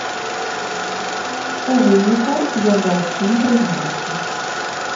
У выніку ён ва ўсім прызнаўся.